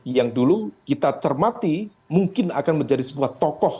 yang dulu kita cermati mungkin akan menjadi sebuah tokoh